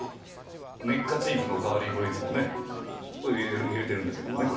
ネッカチーフの代わりにこれいつもね入れてるんだけどもね。